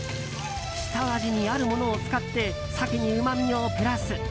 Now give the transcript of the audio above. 下味にあるものを使って鮭にうまみをプラス。